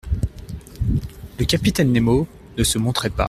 Le capitaine Nemo ne se montrait pas.